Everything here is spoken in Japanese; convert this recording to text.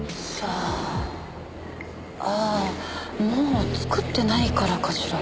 ああもう作ってないからかしら。